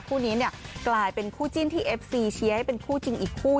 คู่นี้เนี่ยกลายเป็นคู่จิ้นที่เอฟซีเชียร์ให้เป็นคู่จริงอีกคู่